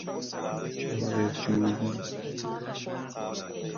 چاره جوئی